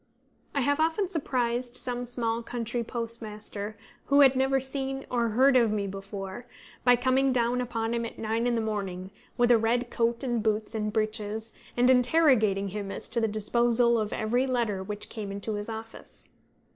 I have often surprised some small country postmaster, who had never seen or heard of me before, by coming down upon him at nine in the morning, with a red coat and boots and breeches, and interrogating him as to the disposal of every letter which came into his office.